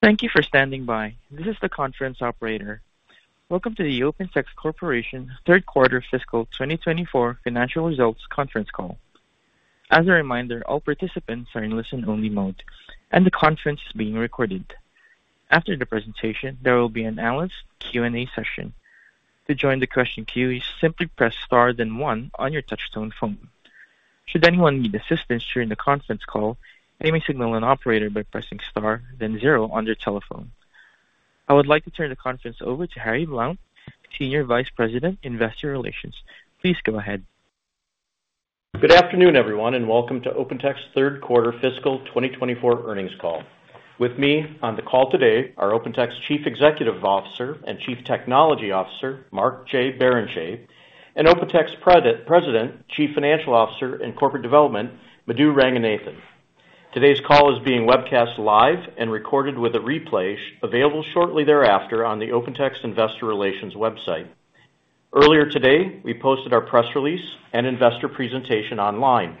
Thank you for standing by. This is the conference operator. Welcome to the OpenText Corporation third-quarter fiscal 2024 financial results conference call. As a reminder, all participants are in listen-only mode, and the conference is being recorded. After the presentation, there will be an analyst Q&A session. To join the question queue, simply press pound then 1 on your touchtone phone. Should anyone need assistance during the conference call, they may signal an operator by pressing pound then 0 on their telephone. I would like to turn the conference over to Harry Blount, Senior Vice President, Investor Relations. Please go ahead. Good afternoon, everyone, and welcome to OpenText third-quarter fiscal 2024 earnings call. With me on the call today are OpenText Chief Executive Officer and Chief Technology Officer Mark J. Barrenechea, and OpenText President, Chief Financial Officer and Corporate Development Madhu Ranganathan. Today's call is being webcast live and recorded with a replay available shortly thereafter on the OpenText Investor Relations website. Earlier today, we posted our press release and investor presentation online.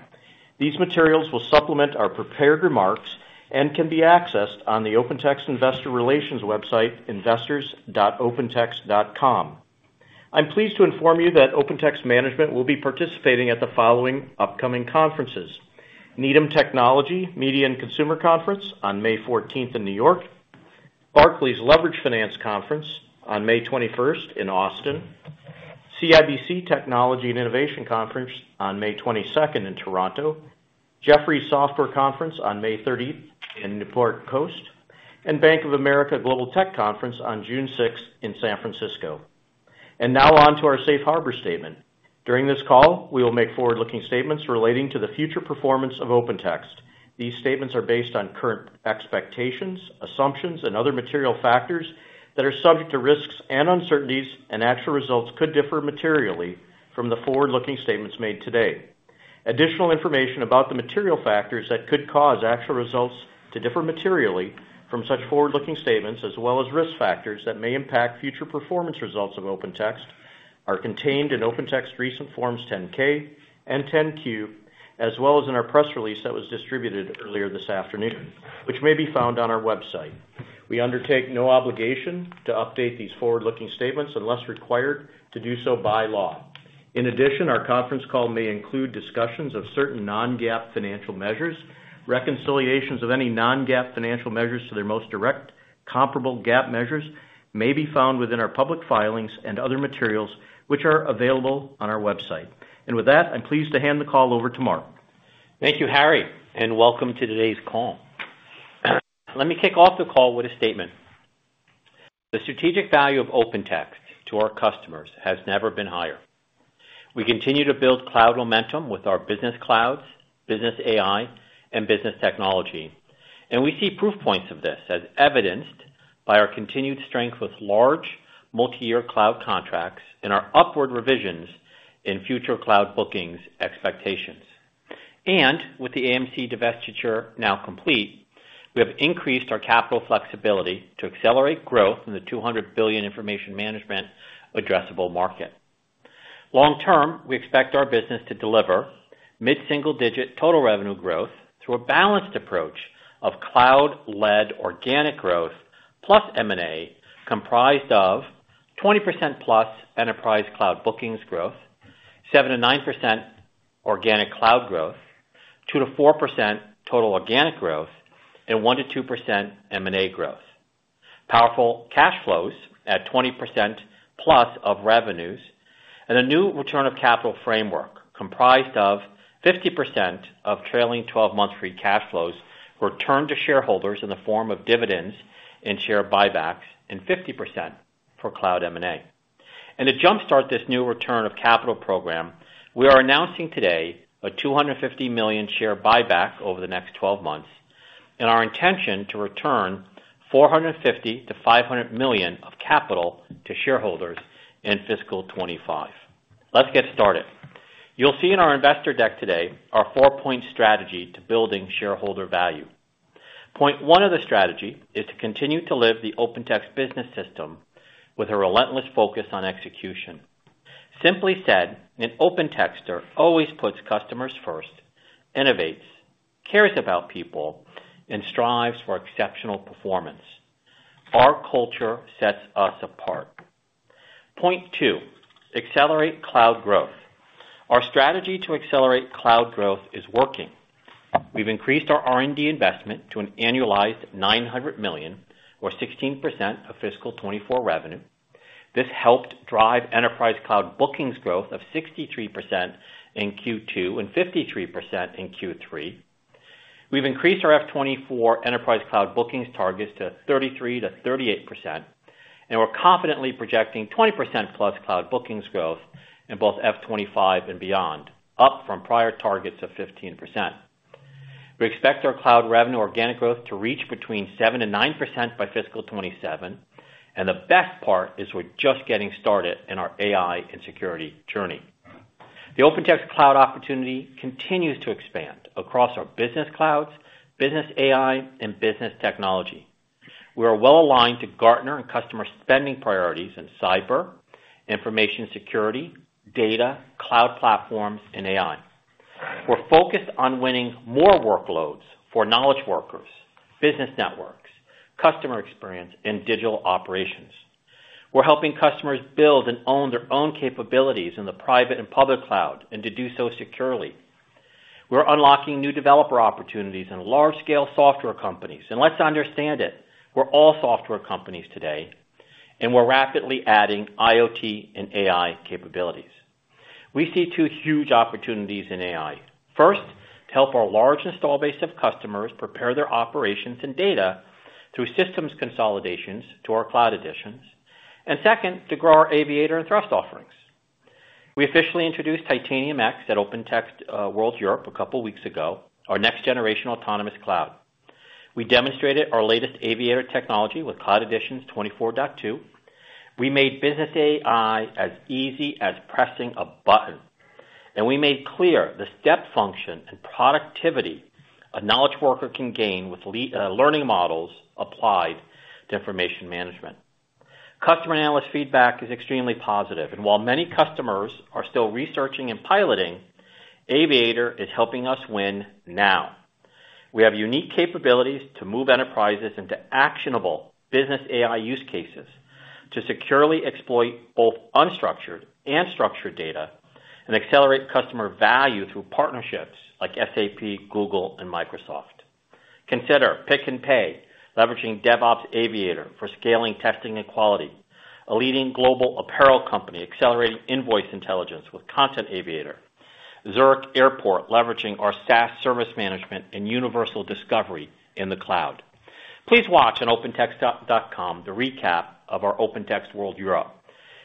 These materials will supplement our prepared remarks and can be accessed on the OpenText Investor Relations website investors.opentext.com. I'm pleased to inform you that OpenText management will be participating at the following upcoming conferences: Needham Technology Media and Consumer Conference on May 14 in New York, Barclays Leveraged Finance Conference on May 21 in Austin, CIBC Technology and Innovation Conference on May 22 in Toronto, Jefferies Software Conference on May 30 in Newport Coast, and Bank of America Global Tech Conference on June 6 in San Francisco. And now on to our safe harbor statement. During this call, we will make forward-looking statements relating to the future performance of OpenText. These statements are based on current expectations, assumptions, and other material factors that are subject to risks and uncertainties, and actual results could differ materially from the forward-looking statements made today. Additional information about the material factors that could cause actual results to differ materially from such forward-looking statements, as well as risk factors that may impact future performance results of OpenText, are contained in OpenText's recent Forms 10-K and 10-Q, as well as in our press release that was distributed earlier this afternoon, which may be found on our website. We undertake no obligation to update these forward-looking statements unless required to do so by law. In addition, our conference call may include discussions of certain non-GAAP financial measures. Reconciliations of any non-GAAP financial measures to their most direct comparable GAAP measures may be found within our public filings and other materials which are available on our website. With that, I'm pleased to hand the call over to Mark. Thank you, Harry, and welcome to today's call. Let me kick off the call with a statement. The strategic value of OpenText to our customers has never been higher. We continue to build cloud momentum with our business clouds, business AI, and business technology, and we see proof points of this as evidenced by our continued strength with large multi-year cloud contracts and our upward revisions in future cloud bookings expectations. And with the AMC divestiture now complete, we have increased our capital flexibility to accelerate growth in the $200 billion information management addressable market. Long term, we expect our business to deliver mid-single digit total revenue growth through a balanced approach of cloud-led organic growth plus M&A comprised of 20%+ enterprise cloud bookings growth, 7%-9% organic cloud growth, 2%-4% total organic growth, and 1%-2% M&A growth. Powerful cash flows at 20%+ of revenues, and a new return of capital framework comprised of 50% of trailing 12 months' free cash flows returned to shareholders in the form of dividends and share buybacks, and 50% for cloud M&A. To jump-start this new return of capital program, we are announcing today a $250 million share buyback over the next 12 months and our intention to return $450 million-$500 million of capital to shareholders in fiscal 2025. Let's get started. You'll see in our investor deck today our four-point strategy to building shareholder value. Point one of the strategy is to continue to live the OpenText business system with a relentless focus on execution. Simply said, an OpenTexter always puts customers first, innovates, cares about people, and strives for exceptional performance. Our culture sets us apart. Point two, accelerate cloud growth. Our strategy to accelerate cloud growth is working. We've increased our R&D investment to an annualized $900 million, or 16% of fiscal 2024 revenue. This helped drive enterprise cloud bookings growth of 63% in Q2 and 53% in Q3. We've increased our F2024 enterprise cloud bookings targets to 33%-38%, and we're confidently projecting 20%+ cloud bookings growth in both F2025 and beyond, up from prior targets of 15%. We expect our cloud revenue organic growth to reach between 7% and 9% by fiscal 2027, and the best part is we're just getting started in our AI and security journey. The OpenText cloud opportunity continues to expand across our business clouds, business AI, and business technology. We are well aligned to Gartner and customer spending priorities in cyber, information security, data, cloud platforms, and AI. We're focused on winning more workloads for knowledge workers, business networks, customer experience, and digital operations. We're helping customers build and own their own capabilities in the private and public cloud and to do so securely. We're unlocking new developer opportunities in large-scale software companies, and let's understand it, we're all software companies today, and we're rapidly adding IoT and AI capabilities. We see two huge opportunities in AI. First, to help our large install base of customers prepare their operations and data through systems consolidations to our cloud editions. And second, to grow our Aviator and Thrust offerings. We officially introduced Titanium X at OpenText World Europe a couple of weeks ago, our next-generation autonomous cloud. We demonstrated our latest Aviator technology with Cloud Editions 24.2. We made business AI as easy as pressing a button, and we made clear the step function and productivity a knowledge worker can gain with learning models applied to information management. Customer analyst feedback is extremely positive, and while many customers are still researching and piloting, Aviator is helping us win now. We have unique capabilities to move enterprises into actionable business AI use cases to securely exploit both unstructured and structured data and accelerate customer value through partnerships like SAP, Google, and Microsoft. Consider Pick n Pay, leveraging DevOps Aviator for scaling testing and quality. A leading global apparel company accelerating invoice intelligence with Content Aviator. Zurich Airport leveraging our SaaS service management and universal discovery in the cloud. Please watch on OpenText.com the recap of our OpenText World Europe,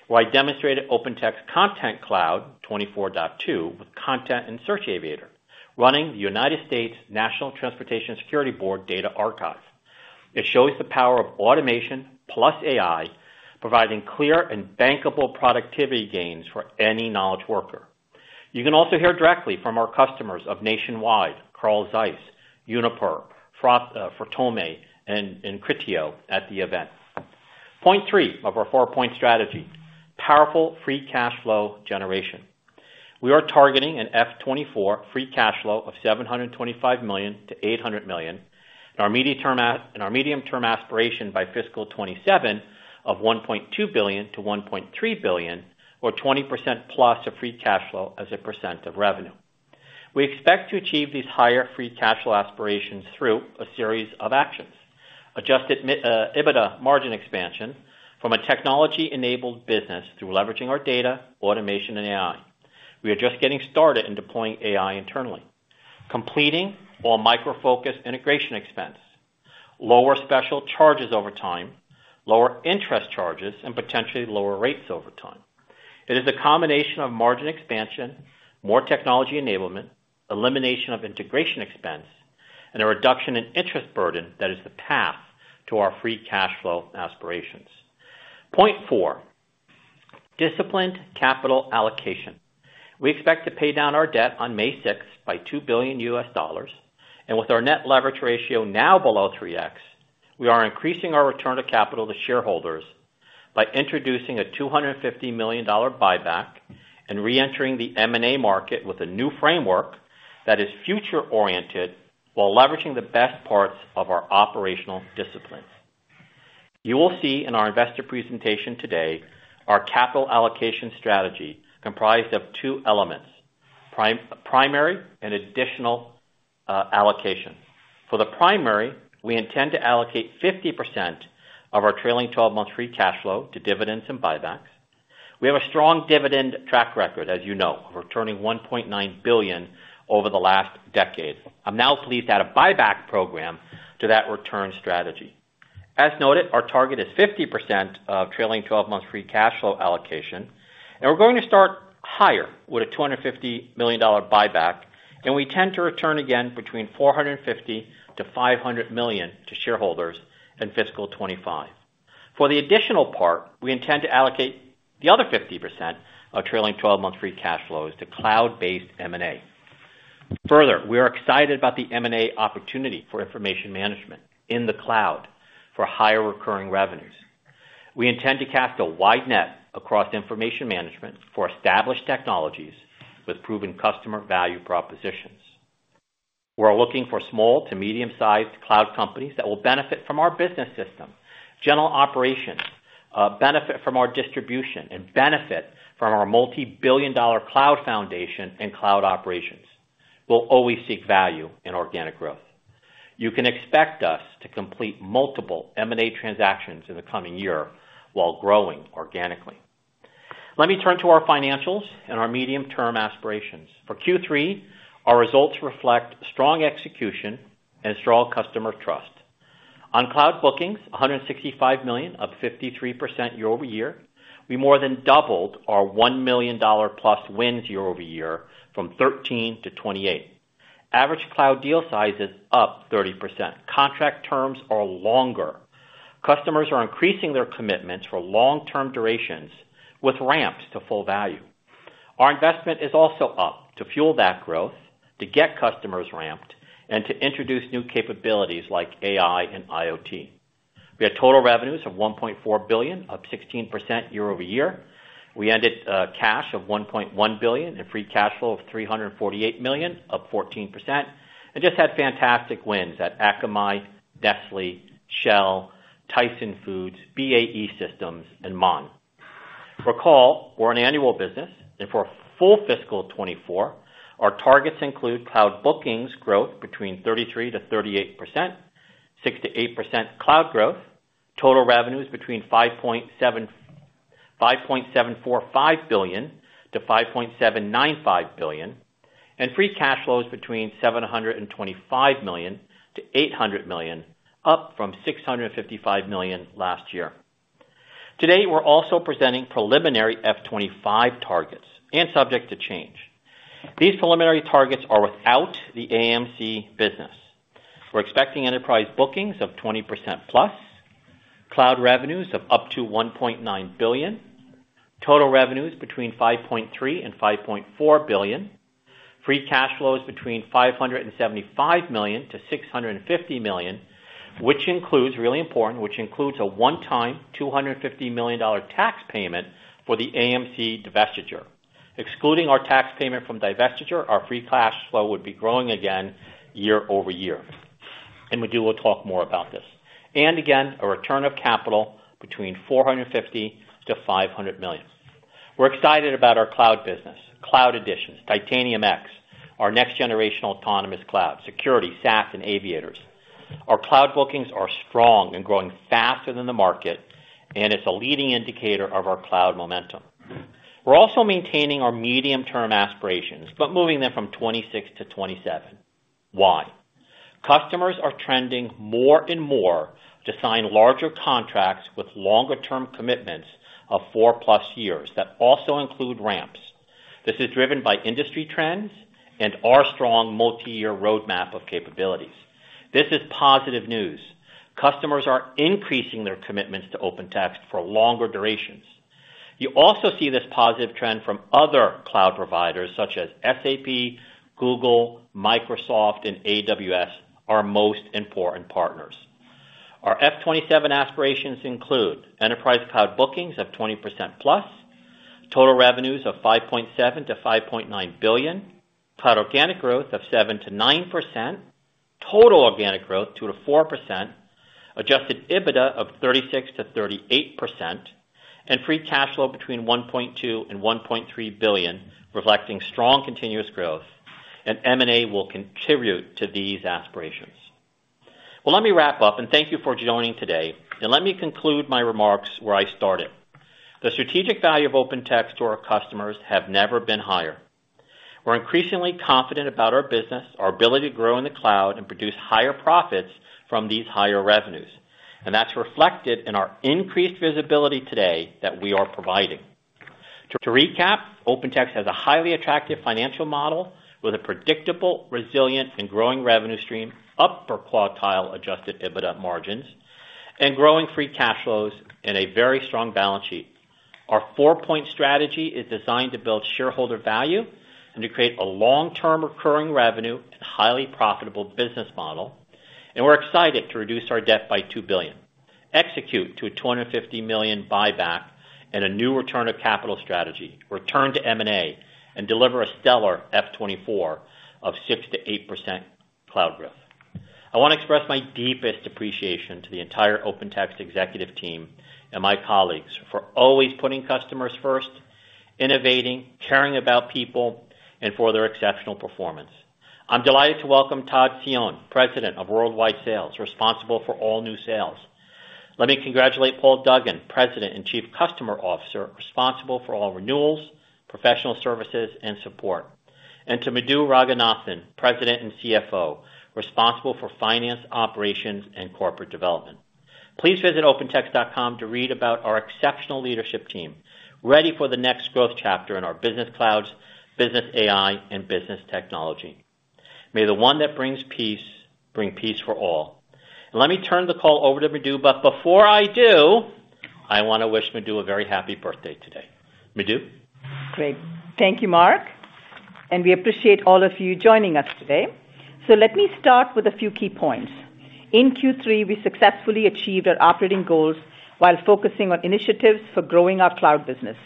where I demonstrated OpenText Content Cloud 24.2 with Content and Search Aviator, running the United States National Transportation Safety Board data archive. It shows the power of automation plus AI, providing clear and bankable productivity gains for any knowledge worker. You can also hear directly from our customers of Nationwide, Carl Zeiss, Uniper, Fortome, and Criteo at the event. Point three of our four-point strategy, powerful free cash flow generation. We are targeting an F2024 free cash flow of $725 million-$800 million, and our medium-term aspiration by fiscal 2027 of $1.2 billion-$1.3 billion, or 20%+ of free cash flow as a percent of revenue. We expect to achieve these higher free cash flow aspirations through a series of actions: adjusted EBITDA margin expansion from a technology-enabled business through leveraging our data, automation, and AI. We are just getting started in deploying AI internally. Completing all Micro Focus integration expense. Lower special charges over time. Lower interest charges and potentially lower rates over time. It is a combination of margin expansion, more technology enablement, elimination of integration expense, and a reduction in interest burden that is the path to our free cash flow aspirations. Point four, disciplined capital allocation. We expect to pay down our debt on May 6 by $2 billion, and with our net leverage ratio now below 3x, we are increasing our return to capital to shareholders by introducing a $250 million buyback and reentering the M&A market with a new framework that is future-oriented while leveraging the best parts of our operational discipline. You will see in our investor presentation today our capital allocation strategy comprised of two elements: primary and additional allocation. For the primary, we intend to allocate 50% of our trailing 12 months' free cash flow to dividends and buybacks. We have a strong dividend track record, as you know, of returning $1.9 billion over the last decade. I'm now pleased to add a buyback program to that return strategy. As noted, our target is 50% of trailing 12 months' free cash flow allocation, and we're going to start higher with a $250 million buyback, and we tend to return again between $450-$500 million to shareholders in fiscal 2025. For the additional part, we intend to allocate the other 50% of trailing 12 months' free cash flows to cloud-based M&A. Further, we are excited about the M&A opportunity for information management in the cloud for higher recurring revenues. We intend to cast a wide net across information management for established technologies with proven customer value propositions. We're looking for small to medium-sized cloud companies that will benefit from our business system, general operations, benefit from our distribution, and benefit from our multi-billion dollar cloud foundation and cloud operations. We'll always seek value in organic growth. You can expect us to complete multiple M&A transactions in the coming year while growing organically. Let me turn to our financials and our medium-term aspirations. For Q3, our results reflect strong execution and strong customer trust. On cloud bookings, $165 million up 53% year-over-year, we more than doubled our $1 million plus wins year-over-year from 13 to 28. Average cloud deal size is up 30%. Contract terms are longer. Customers are increasing their commitments for long-term durations with ramps to full value. Our investment is also up to fuel that growth, to get customers ramped, and to introduce new capabilities like AI and IoT. We had total revenues of $1.4 billion up 16% year-over-year. We ended cash of $1.1 billion and free cash flow of $348 million of 14%, and just had fantastic wins at Akamai, Nestlé, Shell, Tyson Foods, BAE Systems, and Mon. Recall, we're an annual business, and for full fiscal 2024, our targets include cloud bookings growth between 33%-38%, 6%-8% cloud growth, total revenues between $5.745 billion-$5.795 billion, and free cash flows between $725 million-$800 million, up from $655 million last year. Today, we're also presenting preliminary fiscal 2025 targets and subject to change. These preliminary targets are without the AMC business. We're expecting enterprise bookings of 20%+, cloud revenues of up to $1.9 billion, total revenues between $5.3 billion and $5.4 billion, free cash flows between $575 million-$650 million, which includes really important, which includes a one-time $250 million tax payment for the AMC divestiture. Excluding our tax payment from divestiture, our free cash flow would be growing again year-over-year. We will talk more about this. Again, a return of capital between $450 million-$500 million. We're excited about our cloud business, cloud additions, Titanium X, our next-generation autonomous cloud, security, SaaS, and aviators. Our cloud bookings are strong and growing faster than the market, and it's a leading indicator of our cloud momentum. We're also maintaining our medium-term aspirations but moving them from 2026 to 2027. Why? Customers are trending more and more to sign larger contracts with longer-term commitments of four-plus years that also include ramps. This is driven by industry trends and our strong multi-year roadmap of capabilities. This is positive news. Customers are increasing their commitments to OpenText for longer durations. You also see this positive trend from other cloud providers such as SAP, Google, Microsoft, and AWS, our most important partners. Our F2027 aspirations include enterprise cloud bookings of 20%+, total revenues of $5.7-$5.9 billion, cloud organic growth of 7%-9%, total organic growth 2%-4%, Adjusted EBITDA of 36%-38%, and free cash flow between $1.2 billion and $1.3 billion, reflecting strong continuous growth, and M&A will contribute to these aspirations. Well, let me wrap up, and thank you for joining today. Let me conclude my remarks where I started. The strategic value of OpenText to our customers has never been higher. We're increasingly confident about our business, our ability to grow in the cloud, and produce higher profits from these higher revenues. And that's reflected in our increased visibility today that we are providing. To recap, OpenText has a highly attractive financial model with a predictable, resilient, and growing revenue stream, upper quartile adjusted EBITDA margins, and growing free cash flows in a very strong balance sheet. Our four-point strategy is designed to build shareholder value and to create a long-term recurring revenue and highly profitable business model, and we're excited to reduce our debt by $2 billion, execute to a $250 million buyback, and a new return to capital strategy, return to M&A, and deliver a stellar F2024 of 6%-8% cloud growth. I want to express my deepest appreciation to the entire OpenText executive team and my colleagues for always putting customers first, innovating, caring about people, and for their exceptional performance. I'm delighted to welcome Todd Cione, President of Worldwide Sales, responsible for all new sales. Let me congratulate Paul Duggan, President and Chief Customer Officer, responsible for all renewals, professional services, and support. And to Madhu Ranganathan, President and CFO, responsible for finance, operations, and corporate development. Please visit OpenText.com to read about our exceptional leadership team, ready for the next growth chapter in our business clouds, business AI, and business technology. May the one that brings peace bring peace for all. And let me turn the call over to Madhu, but before I do, I want to wish Madhu a very happy birthday today. Madhu? Great. Thank you, Mark. And we appreciate all of you joining us today. So let me start with a few key points. In Q3, we successfully achieved our operating goals while focusing on initiatives for growing our cloud business.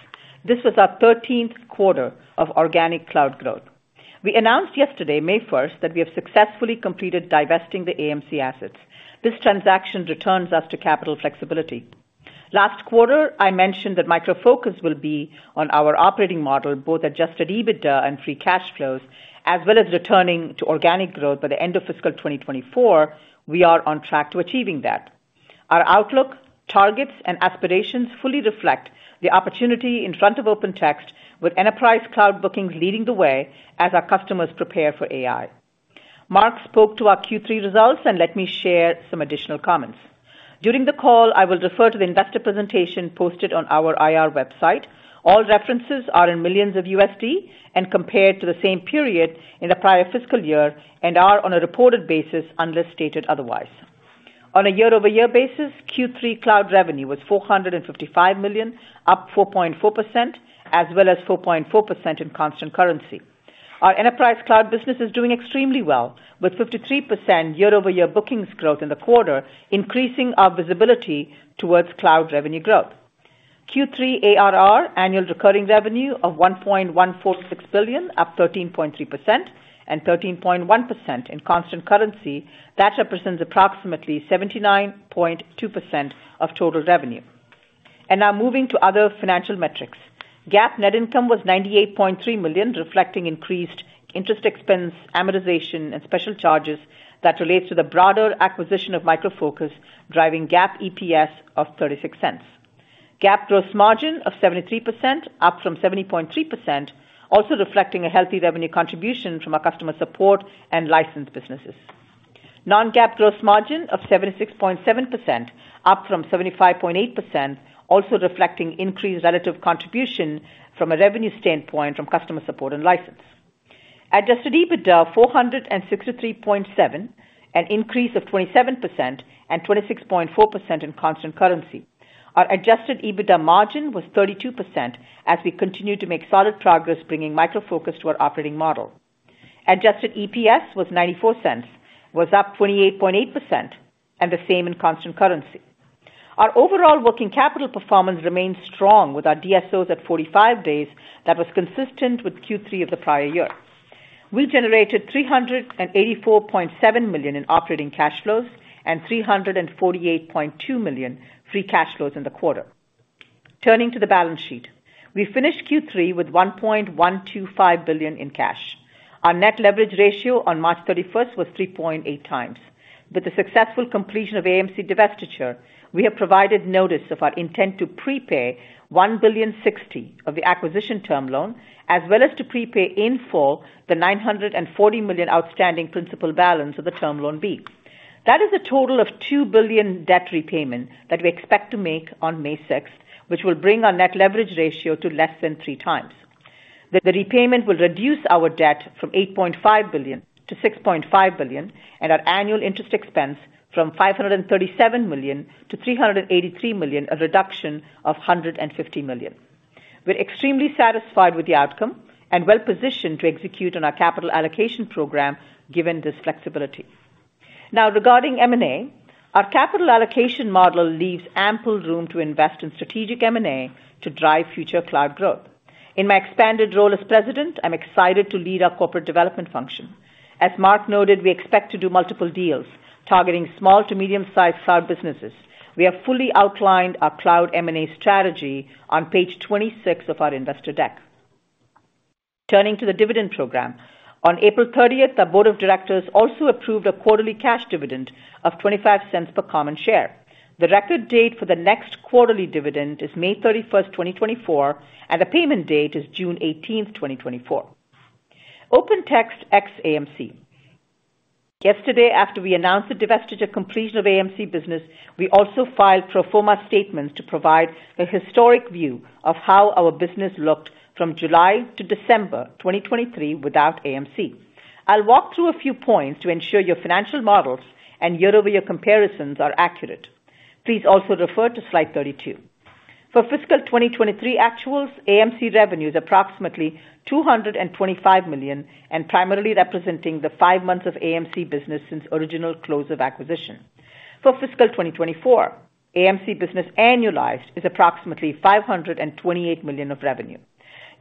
This was our 13th quarter of organic cloud growth. We announced yesterday, May 1st, that we have successfully completed divesting the AMC assets. This transaction returns us to capital flexibility. Last quarter, I mentioned that Micro Focus will be on our operating model, both adjusted EBITDA and free cash flows, as well as returning to organic growth by the end of fiscal 2024. We are on track to achieving that. Our outlook, targets, and aspirations fully reflect the opportunity in front of OpenText, with enterprise cloud bookings leading the way as our customers prepare for AI. Mark spoke to our Q3 results, and let me share some additional comments. During the call, I will refer to the investor presentation posted on our IR website. All references are in millions of USD and compared to the same period in the prior fiscal year and are on a reported basis unless stated otherwise. On a year-over-year basis, Q3 cloud revenue was $455 million, up 4.4%, as well as 4.4% in constant currency. Our enterprise cloud business is doing extremely well, with 53% year-over-year bookings growth in the quarter increasing our visibility towards cloud revenue growth. Q3 ARR, annual recurring revenue of $1.146 billion, up 13.3%, and 13.1% in constant currency, that represents approximately 79.2% of total revenue. And now moving to other financial metrics. GAAP net income was $98.3 million, reflecting increased interest expense, amortization, and special charges that relate to the broader acquisition of Micro Focus, driving GAAP EPS of $0.36. GAAP gross margin of 73%, up from 70.3%, also reflecting a healthy revenue contribution from our customer support and license businesses. Non-GAAP gross margin of 76.7%, up from 75.8%, also reflecting increased relative contribution from a revenue standpoint from customer support and license. Adjusted EBITDA $463.7 million, an increase of 27% and 26.4% in constant currency. Our adjusted EBITDA margin was 32% as we continue to make solid progress bringing Micro Focus to our operating model. Adjusted EPS was $0.94, was up 28.8%, and the same in constant currency. Our overall working capital performance remains strong with our DSOs at 45 days that was consistent with Q3 of the prior year. We generated $384.7 million in operating cash flows and $348.2 million free cash flows in the quarter. Turning to the balance sheet, we finished Q3 with $1.125 billion in cash. Our net leverage ratio on March 31st was 3.8 times. With the successful completion of AMC divestiture, we have provided notice of our intent to prepay $1.06 billion of the acquisition term loan, as well as to prepay in full the $940 million outstanding principal balance of the term loan B. That is a total of $2 billion debt repayment that we expect to make on May 6th, which will bring our Net Leverage Ratio to less than three times. The repayment will reduce our debt from $8.5 billion to $6.5 billion and our annual interest expense from $537 million to $383 million, a reduction of $150 million. We're extremely satisfied with the outcome and well positioned to execute on our capital allocation program given this flexibility. Now, regarding M&A, our capital allocation model leaves ample room to invest in strategic M&A to drive future cloud growth. In my expanded role as president, I'm excited to lead our corporate development function. As Mark noted, we expect to do multiple deals targeting small to medium-sized cloud businesses. We have fully outlined our cloud M&A strategy on page 26 of our investor deck. Turning to the dividend program, on April 30th, our board of directors also approved a quarterly cash dividend of 25 cents per common share. The record date for the next quarterly dividend is May 31st, 2024, and the payment date is June 18th, 2024. OpenText ex AMC. Yesterday, after we announced the divestiture completion of AMC business, we also filed pro forma statements to provide a historic view of how our business looked from July to December 2023 without AMC. I'll walk through a few points to ensure your financial models and year-over-year comparisons are accurate. Please also refer to slide 32. For fiscal 2023 actuals, AMC revenue is approximately $225 million and primarily representing the five months of AMC business since original close of acquisition. For fiscal 2024, AMC business annualized is approximately $528 million of revenue.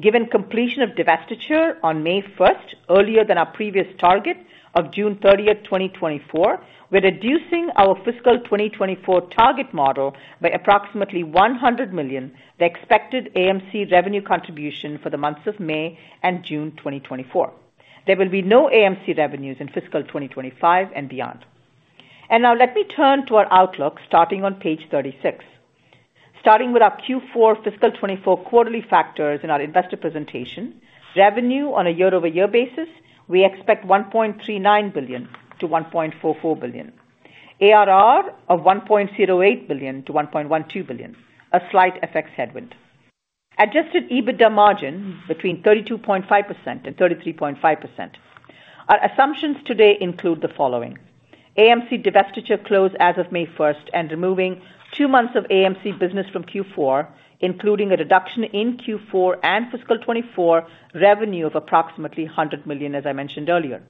Given completion of divestiture on May 1st, earlier than our previous target of June 30th, 2024, we're reducing our fiscal 2024 target model by approximately $100 million, the expected AMC revenue contribution for the months of May and June 2024. There will be no AMC revenues in fiscal 2025 and beyond. And now let me turn to our outlook starting on page 36. Starting with our Q4 fiscal 2024 quarterly factors in our investor presentation, revenue on a year-over-year basis, we expect $1.39 billion-$1.44 billion, ARR of $1.08 billion-$1.12 billion, a slight FX headwind. Adjusted EBITDA margin between 32.5%-33.5%. Our assumptions today include the following: AMC divestiture close as of May 1st and removing two months of AMC business from Q4, including a reduction in Q4 and fiscal 2024 revenue of approximately $100 million, as I mentioned earlier.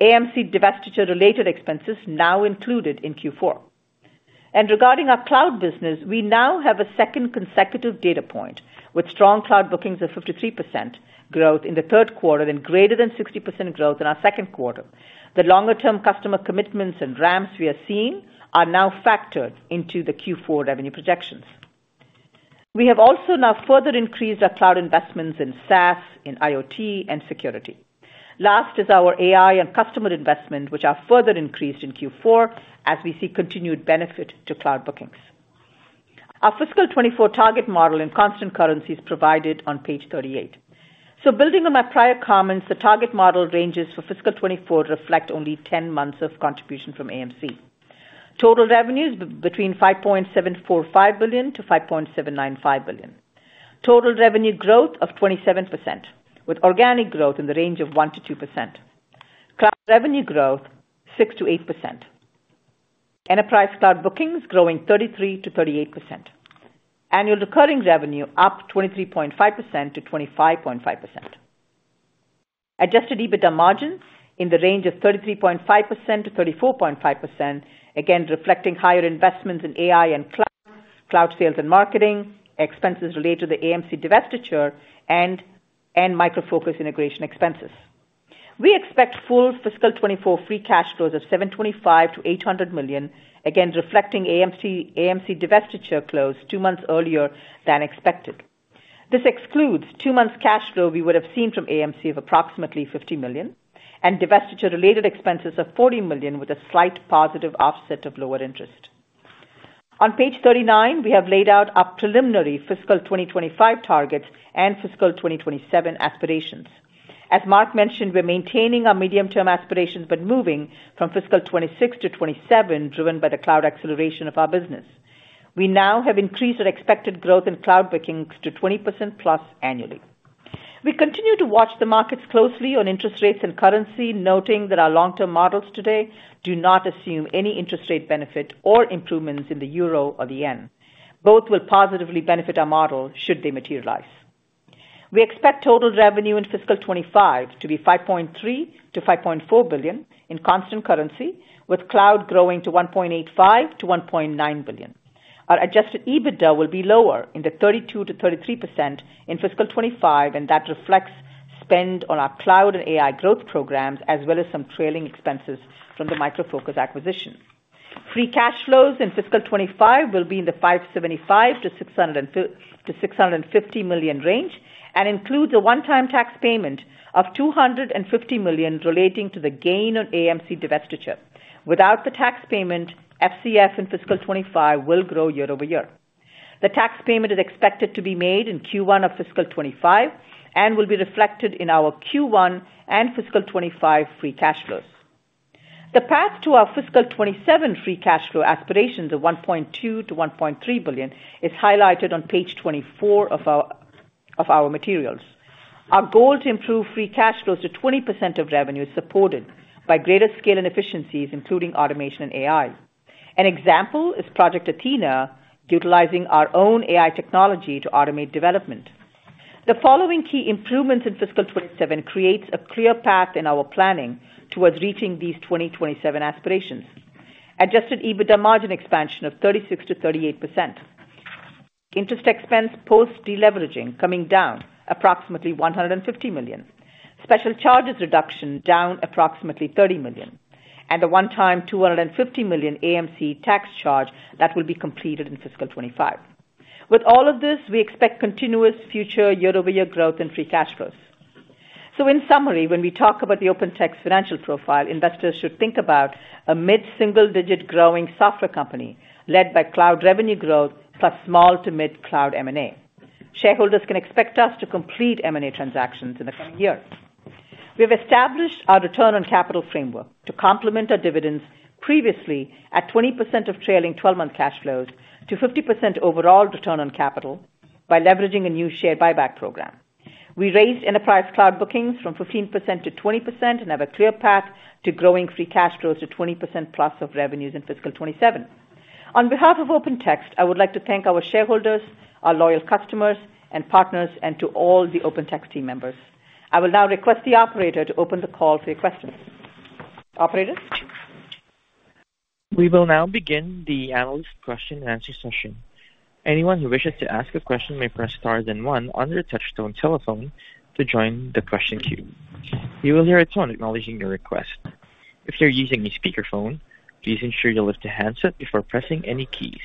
AMC divestiture-related expenses now included in Q4. Regarding our cloud business, we now have a second consecutive data point with strong cloud bookings of 53% growth in the third quarter and greater than 60% growth in our second quarter. The longer-term customer commitments and ramps we are seeing are now factored into the Q4 revenue projections. We have also now further increased our cloud investments in SaaS, in IoT, and security. Last is our AI and customer investment, which are further increased in Q4 as we see continued benefit to cloud bookings. Our fiscal 2024 target model in constant currency is provided on page 38. Building on my prior comments, the target model ranges for fiscal 2024 to reflect only 10 months of contribution from AMC. Total revenues between $5.745 billion-$5.795 billion. Total revenue growth of 27% with organic growth in the range of 1%-2%. Cloud revenue growth 6%-8%. Enterprise cloud bookings growing 33%-38%. Annual recurring revenue up 23.5%-25.5%. Adjusted EBITDA margin in the range of 33.5%-34.5%, again reflecting higher investments in AI and cloud, cloud sales and marketing, expenses related to the AMC divestiture, and Micro Focus integration expenses. We expect full fiscal 2024 free cash flows of $725 million-$800 million, again reflecting AMC divestiture close two months earlier than expected. This excludes two months cash flow we would have seen from AMC of approximately $50 million and divestiture-related expenses of $40 million with a slight positive offset of lower interest. On page 39, we have laid out our preliminary fiscal 2025 targets and fiscal 2027 aspirations. As Mark mentioned, we're maintaining our medium-term aspirations but moving from fiscal 2026 to 2027 driven by the cloud acceleration of our business. We now have increased our expected growth in cloud bookings to 20%+ annually. We continue to watch the markets closely on interest rates and currency, noting that our long-term models today do not assume any interest rate benefit or improvements in the euro or the yen. Both will positively benefit our model should they materialize. We expect total revenue in fiscal 2025 to be $5.3 billion-$5.4 billion in constant currency, with cloud growing to $1.85 billion-$1.9 billion. Our adjusted EBITDA will be lower in the 32%-33% in fiscal 2025, and that reflects spend on our cloud and AI growth programs as well as some trailing expenses from the Micro Focus acquisition. Free cash flows in fiscal 2025 will be in the $575 million-$650 million range and include a one-time tax payment of $250 million relating to the gain on AMC divestiture. Without the tax payment, FCF in fiscal 2025 will grow year-over-year. The tax payment is expected to be made in Q1 of fiscal 2025 and will be reflected in our Q1 and fiscal 2025 free cash flows. The path to our fiscal 2027 free cash flow aspirations of $1.2 billion-$1.3 billion is highlighted on page 24 of our materials. Our goal to improve free cash flows to 20% of revenue is supported by greater scale and efficiencies, including automation and AI. An example is Project Athena, utilizing our own AI technology to automate development. The following key improvements in fiscal 2027 create a clear path in our planning towards reaching these 2027 aspirations: adjusted EBITDA margin expansion of 36%-38%. Interest expense post-deleveraging coming down approximately $150 million. Special charges reduction down approximately $30 million. And the one-time $250 million AMC tax charge that will be completed in fiscal 2025. With all of this, we expect continuous future year-over-year growth in free cash flows. So in summary, when we talk about the OpenText financial profile, investors should think about a mid-single-digit growing software company led by cloud revenue growth plus small to mid-cloud M&A. Shareholders can expect us to complete M&A transactions in the coming years. We have established our return on capital framework to complement our dividends previously at 20%-50% overall return on capital by leveraging a new share buyback program. We raised enterprise cloud bookings from 15%-20% and have a clear path to growing free cash flows to 20%+ of revenues in fiscal 2027. On behalf of OpenText, I would like to thank our shareholders, our loyal customers and partners, and to all the OpenText team members. I will now request the operator to open the call for your questions. Operator? We will now begin the analyst question and answer session. Anyone who wishes to ask a question may press star, then one on their touch-tone telephone to join the question queue. You will hear a tone acknowledging your request. If you're using a speakerphone, please ensure you'll lift a handset before pressing any keys.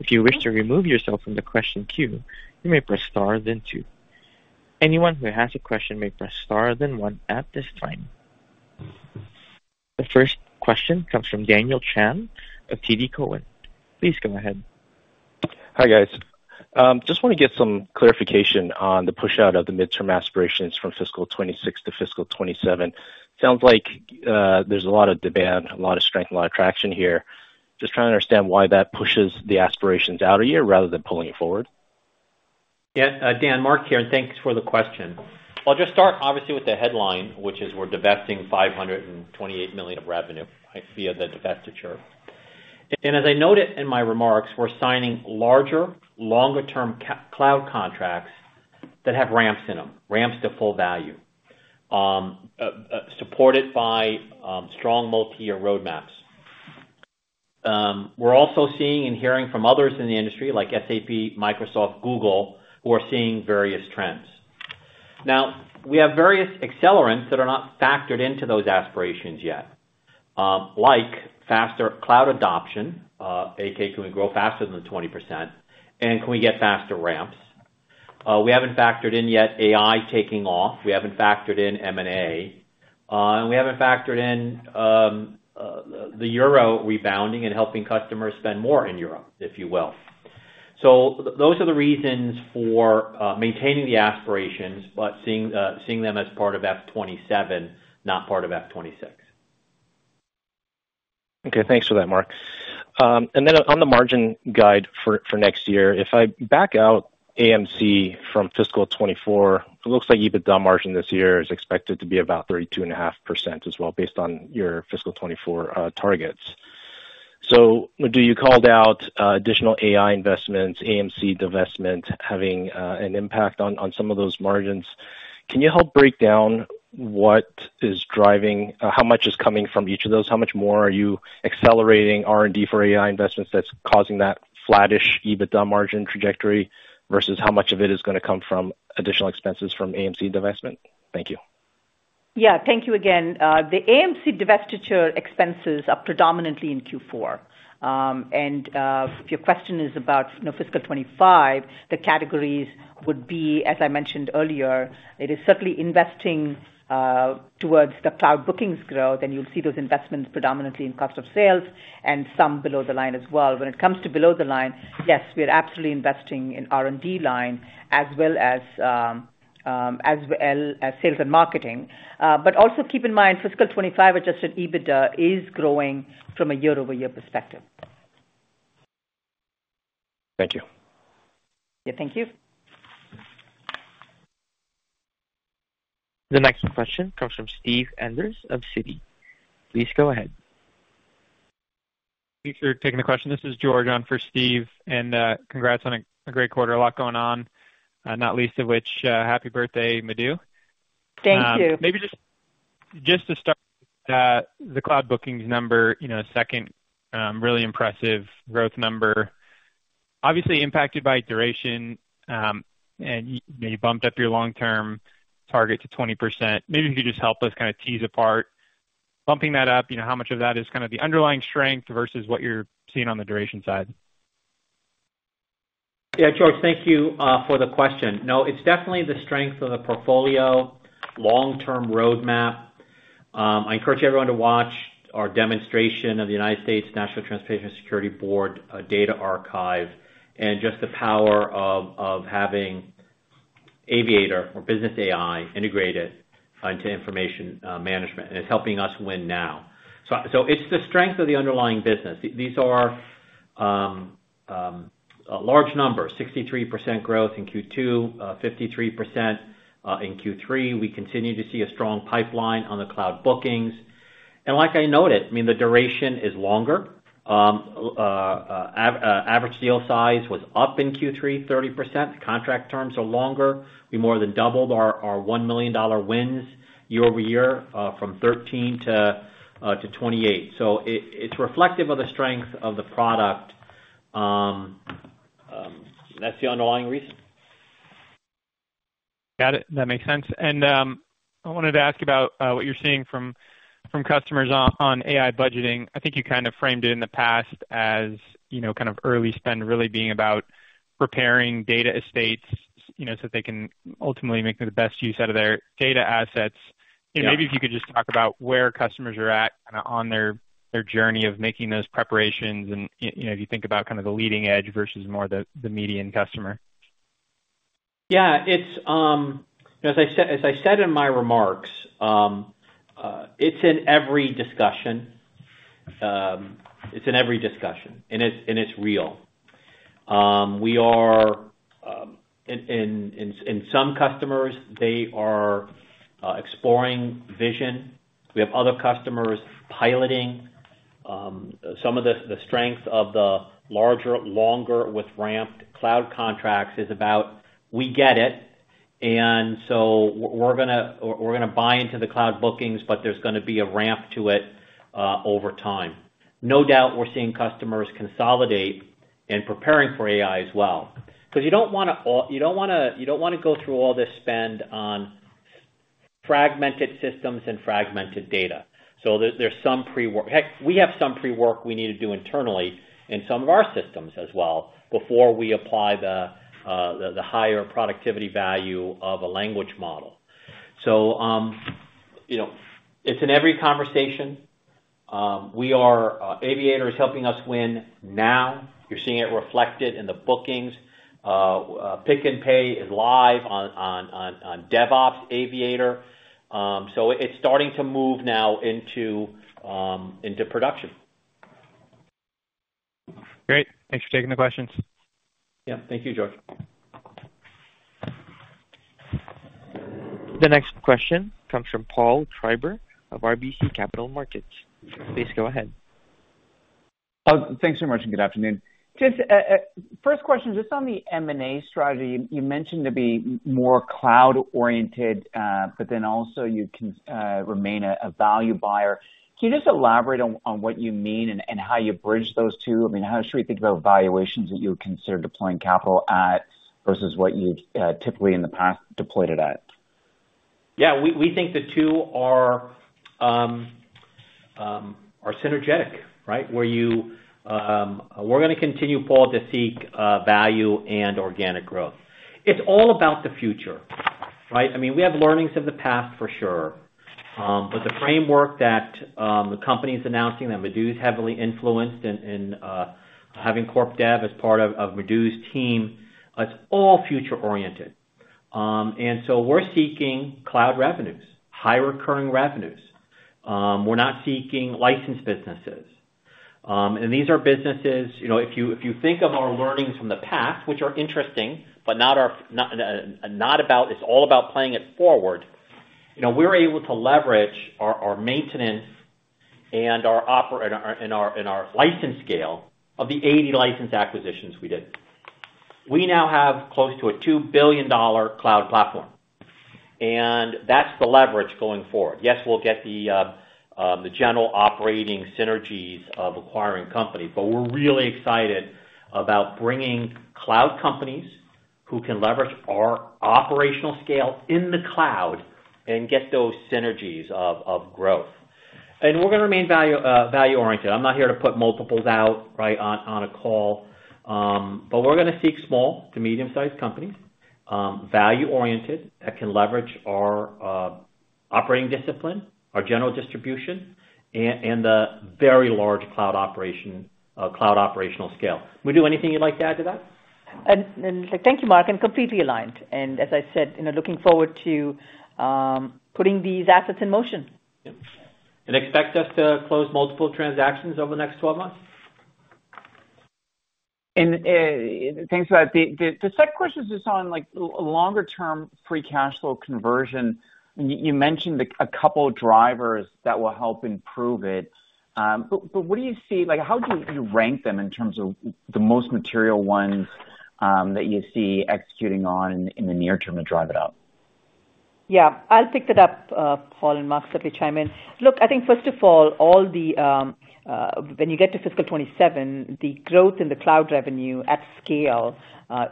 If you wish to remove yourself from the question queue, you may press star, then two. Anyone who has a question may press star, then one at this time. The first question comes from Daniel Chan of TD Cowen. Please go ahead. Hi guys. Just want to get some clarification on the push out of the mid-term aspirations from fiscal 2026 to fiscal 2027. Sounds like there's a lot of demand, a lot of strength, a lot of traction here. Just trying to understand why that pushes the aspirations out a year rather than pulling it forward. Yeah, Dan, Mark here, and thanks for the question. I'll just start obviously with the headline, which is we're divesting $528 million of revenue via the divestiture. As I noted in my remarks, we're signing larger, longer-term cloud contracts that have ramps in them, ramps to full value, supported by strong multi-year roadmaps. We're also seeing and hearing from others in the industry like SAP, Microsoft, Google, who are seeing various trends. Now, we have various accelerants that are not factored into those aspirations yet, like faster cloud adoption, a.k.a. can we grow faster than 20%, and can we get faster ramps. We haven't factored in yet AI taking off. We haven't factored in M&A. And we haven't factored in the euro rebounding and helping customers spend more in Europe, if you will. So those are the reasons for maintaining the aspirations but seeing them as part of F2027, not part of F2026. Okay, thanks for that, Mark. And then on the margin guide for next year, if I back out AMC from fiscal 2024, it looks like EBITDA margin this year is expected to be about 32.5% as well based on your fiscal 2024 targets. So do you called out additional AI investments, AMC divestment having an impact on some of those margins? Can you help break down what is driving how much is coming from each of those? How much more are you accelerating R&D for AI investments that's causing that flat-ish EBITDA margin trajectory versus how much of it is going to come from additional expenses from AMC divestment? Thank you. Yeah, thank you again. The AMC divestiture expenses are predominantly in Q4. If your question is about fiscal 2025, the categories would be, as I mentioned earlier, it is certainly investing towards the cloud bookings growth, and you'll see those investments predominantly in cost of sales and some below the line as well. When it comes to below the line, yes, we are absolutely investing in R&D line as well as sales and marketing. Also keep in mind fiscal 2025 adjusted EBITDA is growing from a year-over-year perspective. Thank you. Yeah, thank you. The next question comes from Steve Enders of Citi. Please go ahead. Thank you for taking the question. This is George on for Steve, and congrats on a great quarter. A lot going on, not least of which, happy birthday, Madhu. Thank you. Maybe just to start with the cloud bookings number a second, really impressive growth number. Obviously impacted by duration, and you bumped up your long-term target to 20%. Maybe if you could just help us kind of tease apart bumping that up, how much of that is kind of the underlying strength versus what you're seeing on the duration side? Yeah, George, thank you for the question. No, it's definitely the strength of the portfolio, long-term roadmap. I encourage everyone to watch our demonstration of the United States National Transportation Safety Board data archive and just the power of having Aviator or Business AI integrated into information management, and it's helping us win now. So it's the strength of the underlying business. These are large numbers, 63% growth in Q2, 53% in Q3. We continue to see a strong pipeline on the cloud bookings. And like I noted, I mean, the duration is longer. Average deal size was up in Q3, 30%. Contract terms are longer. We more than doubled our $1 million wins year over year from 13 to 28. So it's reflective of the strength of the product. That's the underlying reason. Got it. That makes sense. And I wanted to ask about what you're seeing from customers on AI budgeting. I think you kind of framed it in the past as kind of early spend really being about preparing data estates so they can ultimately make the best use out of their data assets. Maybe if you could just talk about where customers are at kind of on their journey of making those preparations and if you think about kind of the leading edge versus more the median customer. Yeah, as I said in my remarks, it's in every discussion. It's in every discussion, and it's real. In some customers, they are exploring vision. We have other customers piloting. Some of the strength of the larger, longer with ramped cloud contracts is about we get it, and so we're going to buy into the cloud bookings, but there's going to be a ramp to it over time. No doubt we're seeing customers consolidate and preparing for AI as well because you don't want to, you don't want to go through all this spend on fragmented systems and fragmented data. So there's some pre-work. We have some pre-work we need to do internally in some of our systems as well before we apply the higher productivity value of a language model. So it's in every conversation. Aviator is helping us win now. You're seeing it reflected in the bookings. Pick n Pay is live on DevOps Aviator. So it's starting to move now into production. Great. Thanks for taking the questions. Yep, thank you, George. The next question comes from Paul Treiber of RBC Capital Markets. Please go ahead. Thanks so much and good afternoon. First question, just on the M&A strategy, you mentioned to be more cloud-oriented, but then also you remain a value buyer. Can you just elaborate on what you mean and how you bridge those two? I mean, how should we think about valuations that you would consider deploying capital at versus what you've typically in the past deployed it at? Yeah, we think the two are synergetic, right, where we're going to continue, Paul, to seek value and organic growth. It's all about the future, right? I mean, we have learnings of the past for sure, but the framework that the company's announcing that Madhu's heavily influenced in having CorpDev as part of Madhu's team, it's all future-oriented. And so we're seeking cloud revenues, higher recurring revenues. We're not seeking licensed businesses. These are businesses if you think of our learnings from the past, which are interesting, but not about it's all about playing it forward. We're able to leverage our maintenance and our license scale of the 80 license acquisitions we did. We now have close to a $2 billion cloud platform, and that's the leverage going forward. Yes, we'll get the general operating synergies of acquiring companies, but we're really excited about bringing cloud companies who can leverage our operational scale in the cloud and get those synergies of growth. And we're going to remain value-oriented. I'm not here to put multiples out, right, on a call, but we're going to seek small to medium-sized companies, value-oriented that can leverage our operating discipline, our general distribution, and the very large cloud operational scale. Madhu, anything you'd like to add to that? Thank you, Mark, and completely aligned. And as I said, looking forward to putting these assets in motion. Yep. And expect us to close multiple transactions over the next 12 months. And thanks for that. The second question is just on longer-term free cash flow conversion. You mentioned a couple of drivers that will help improve it, but what do you see, how do you rank them in terms of the most material ones that you see executing on in the near term to drive it up? Yeah, I'll pick that up, Paul and Mark, so if you chime in. Look, I think first of all, all the when you get to fiscal 2027, the growth in the cloud revenue at scale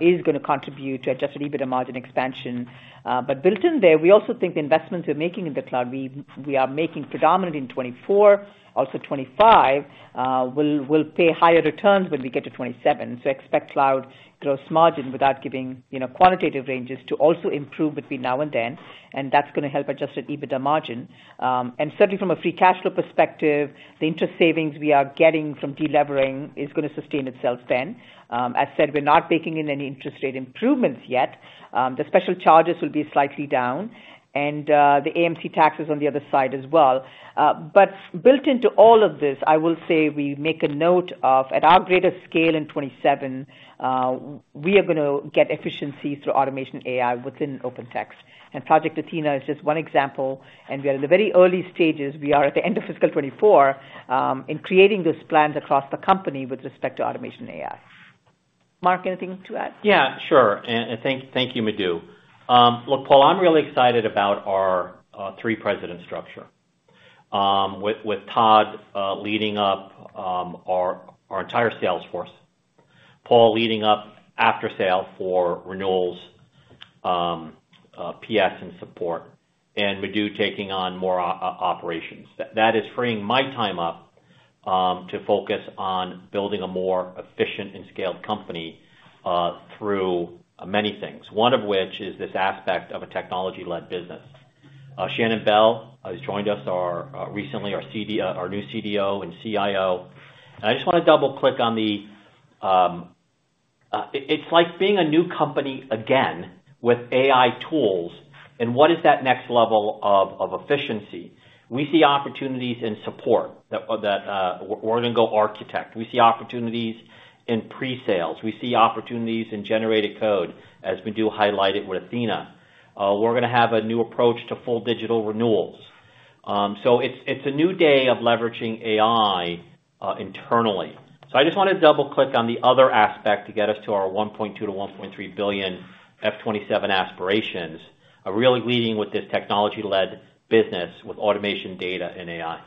is going to contribute to Adjusted EBITDA margin expansion. But built in there, we also think the investments we're making in the cloud we are making predominantly in 2024, also 2025, will pay higher returns when we get to 2027. So expect cloud gross margin without giving quantitative ranges to also improve between now and then, and that's going to help adjusted EBITDA margin. And certainly from a free cash flow perspective, the interest savings we are getting from de-levering is going to sustain itself then. As said, we're not baking in any interest rate improvements yet. The special charges will be slightly down and the AMC taxes on the other side as well. But built into all of this, I will say we make a note of at our greatest scale in 2027, we are going to get efficiencies through automation AI within OpenText. Project Athena is just one example, and we are in the very early stages. We are at the end of fiscal 2024 in creating those plans across the company with respect to automation AI. Mark, anything to add? Yeah, sure. Thank you, Madhu. Look, Paul, I'm really excited about our three-president structure with Todd leading up our entire sales force, Paul leading up after-sale for renewals, PS, and support, and Madhu taking on more operations. That is freeing my time up to focus on building a more efficient and scaled company through many things, one of which is this aspect of a technology-led business. Shannon Bell has joined us recently, our new CDO and CIO. I just want to double-click on the it's like being a new company again with AI tools, and what is that next level of efficiency. We see opportunities in support that we're going to go architect. We see opportunities in pre-sales. We see opportunities in generated code, as Madhu highlighted with Athena. We're going to have a new approach to full digital renewals. So it's a new day of leveraging AI internally. So I just want to double-click on the other aspect to get us to our $1.2 billion-$1.3 billion F2027 aspirations, really leading with this technology-led business with automation data and AI.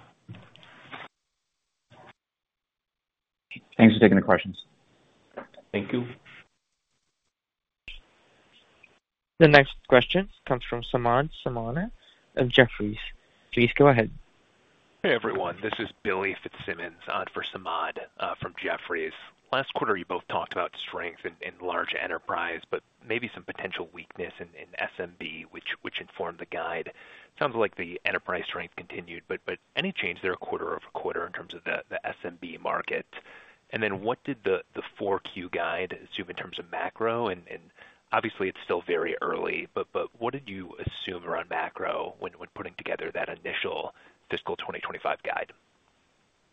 Thanks for taking the questions. Thank you. The next question comes from Samad Samana of Jefferies. Please go ahead. Hey, everyone. This is Billy Fitzsimmons on for Samad from Jefferies. Last quarter, you both talked about strength in large enterprise but maybe some potential weakness in SMB, which informed the guide. Sounds like the enterprise strength continued, but any change there quarter-over-quarter in terms of the SMB market? What did the 4Q guide assume in terms of macro? Obviously, it's still very early, but what did you assume around macro when putting together that initial fiscal 2025 guide?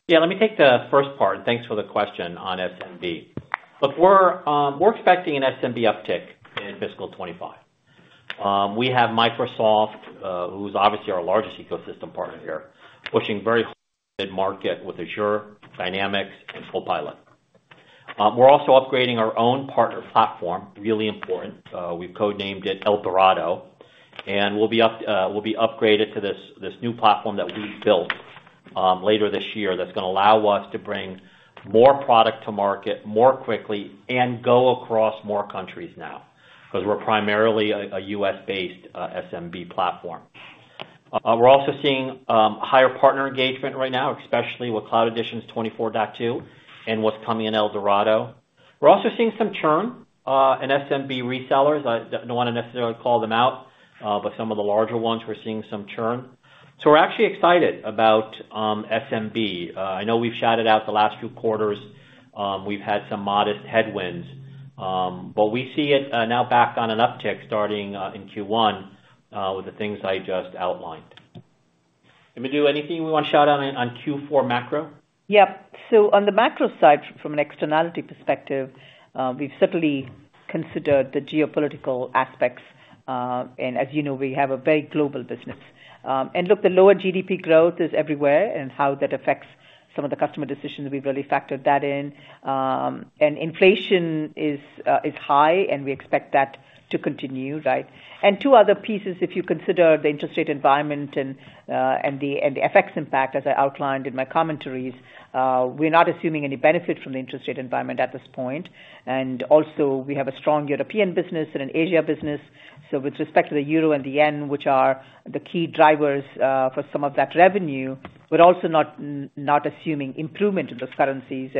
Yeah, let me take the first part. Thanks for the question on SMB. Look, we're expecting an SMB uptick in fiscal 2025. We have Microsoft, who's obviously our largest ecosystem partner here, pushing very hard in the market with Azure, Dynamics, and Copilot. We're also upgrading our own partner platform, really important. We've codenamed it El Dorado, and we'll be upgraded to this new platform that we built later this year that's going to allow us to bring more product to market more quickly and go across more countries now because we're primarily a U.S.-based SMB platform. We're also seeing higher partner engagement right now, especially with Cloud Editions 24.2 and what's coming in El Dorado. We're also seeing some churn in SMB resellers. I don't want to necessarily call them out, but some of the larger ones, we're seeing some churn. So we're actually excited about SMB. I know we've shouted out the last few quarters. We've had some modest headwinds, but we see it now back on an uptick starting in Q1 with the things I just outlined. And Madhu, anything you want to shout out on Q4 macro? Yep. So on the macro side, from an externality perspective, we've certainly considered the geopolitical aspects. And as you know, we have a very global business. And look, the lower GDP growth is everywhere and how that affects some of the customer decisions, we've really factored that in. And inflation is high, and we expect that to continue, right? Two other pieces, if you consider the interest rate environment and the FX impact, as I outlined in my commentaries, we're not assuming any benefit from the interest rate environment at this point. Also, we have a strong European business and an Asia business. So with respect to the euro and the yen, which are the key drivers for some of that revenue, we're also not assuming improvement in those currencies.